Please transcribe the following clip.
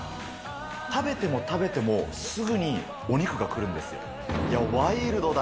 食べても食べてもすぐにお肉がくるんですよ。